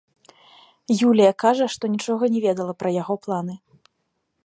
Юлія кажа, што нічога не ведала пра яго планы.